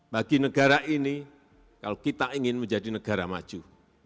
bagi negara ini kalau kita ingin menjadi negara maju